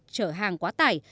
trở hàng quá tải